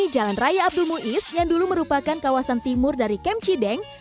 jalan raya abdul muiz yang dulu merupakan kawasan timur dari kem cideng